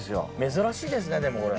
珍しいですねでもこれ。